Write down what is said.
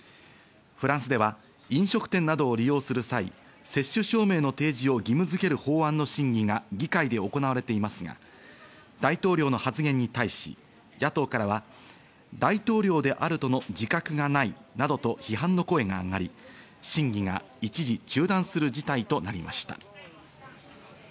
フランスでは飲食店などを利用する際、接種証明の提示を義務づける法案の審議が議会で行われていますが、大統領の発言に対し、野党からは、大統領であるとの自覚がないなどと批判の声が上がり、審議が一時中断する事態となりました。